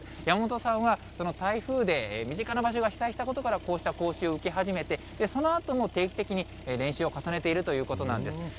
山本さんは、台風で身近な場所が被災したことから、こうした講習を受け始めて、そのあとも定期的に練習を重ねているということなんです。